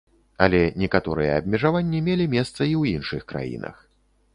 Але некаторыя абмежаванні мелі месца і ў іншых краінах.